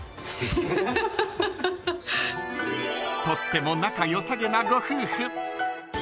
とっても仲良さげなご夫婦。